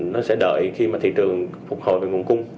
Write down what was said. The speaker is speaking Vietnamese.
nó sẽ đợi khi mà thị trường phục hồi về nguồn cung